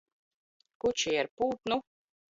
Kučier, pūt nu!